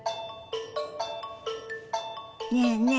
ねえねえ